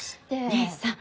姉さん